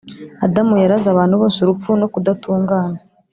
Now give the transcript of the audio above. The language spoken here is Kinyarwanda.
Adamu yaraze abantu bose urupfu no kudatungana